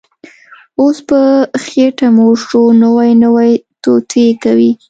اوس په خېټه موړ شو، نوې نوې توطیې کوي